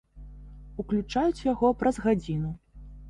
Уключаюць яго праз гадзіну.